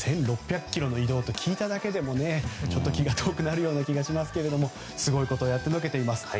１６００ｋｍの移動って聞いただけでも気が遠くなるような気がしますけどすごいことをやってのけています。